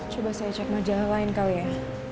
coba saya cek majalah lain kali ya